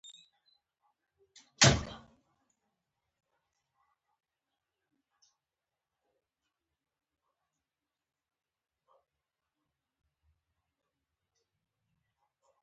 چاري پيل کړي دي.